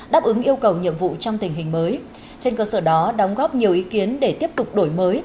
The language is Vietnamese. đáp ứng yêu cầu nhiệm vụ trong tình hình mới trên cơ sở đó đóng góp nhiều ý kiến để tiếp tục đổi mới